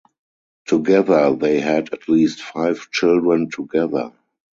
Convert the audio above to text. Together they had at least five children together.